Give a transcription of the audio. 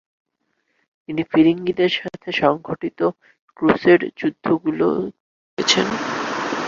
তিনি ফিরিঙ্গীদের সাথে সংঘটিত ক্রুসেড যুদ্ধগুলোও দেখেছেন ।